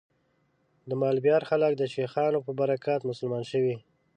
د مالیبار خلک د شیخانو په برکت مسلمان شوي.